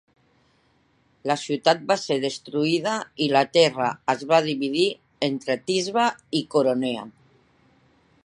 La ciutat va ser destruïda i la terra es va dividir entre Thisbe i Coronea.